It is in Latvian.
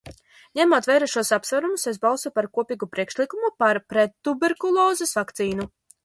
Ņemot vērā šos apsvērumus, es balsoju par kopīgu priekšlikumu par prettuberkulozes vakcīnu.